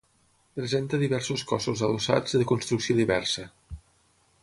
Presenta diversos cossos adossats de construcció diversa.